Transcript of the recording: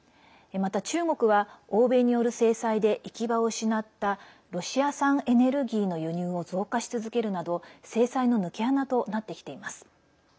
また、中国は欧米による制裁で行き場を失ったロシア産エネルギーの輸入を増加し続けるなど制裁の抜け穴となってきています。